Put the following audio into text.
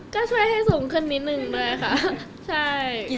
ก็ช่วยให้สูงขึ้นนิดนึงด้วยค่ะใช่